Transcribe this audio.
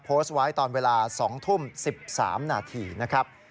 โพสต์ไว้ตอนเวลา๒ทุ่ม๑๓นาทีนะครับ